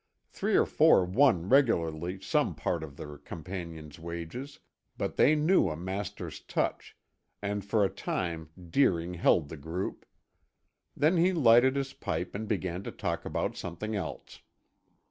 Three or four won regularly some part of their companions' wages, but they knew a master's touch and for a time Deering held the group. Then he lighted his pipe and began to talk about something else.